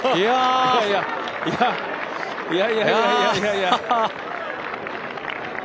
いや、いやいやいやいやいや。